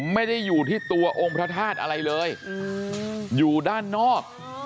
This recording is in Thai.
ไม่ได้อยู่ที่ตัวองค์พระธาตุอะไรเลยอยู่ด้านนอก